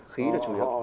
khí là chủ yếu